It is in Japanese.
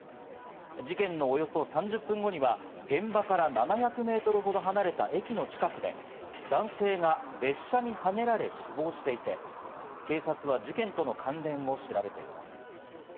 事件のおよそ３０分後には現場から７００メートルほど離れた駅の近くで男性が列車にはねられ死亡していて、警察は事件との関連を調べています。